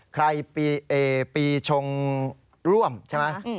ปีเอปีชงร่วมใช่ไหม